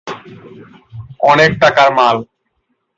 অনেক টাকার মাল।